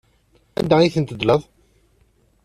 Anda ay ten-tedleḍ?